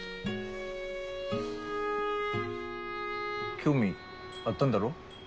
興味あったんだろ？